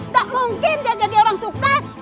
tak mungkin dia jadi orang sukses